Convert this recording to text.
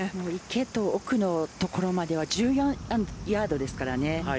池と奥の所までは１４ヤードですから。